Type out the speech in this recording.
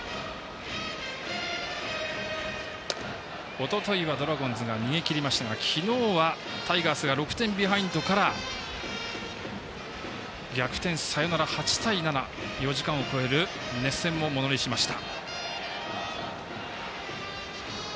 おとといはドラゴンズが逃げきりましたが昨日は、タイガースが６点ビハインドから逆転サヨナラ、８対７。４時間を超える熱戦をものにしました。